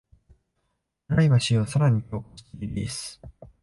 プライバシーをさらに強化してリリース